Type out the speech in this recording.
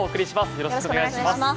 よろしくお願いします。